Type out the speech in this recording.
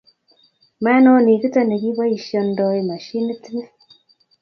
Manoni kito ne kiboisiondoi mashinit ni